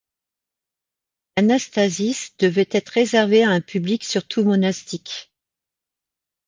L'Anastasis devait être réservée à un public surtout monastique.